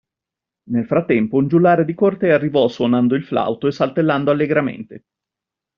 Nel frattempo, un giullare di corte arrivò suonando il flauto e saltellando allegramente.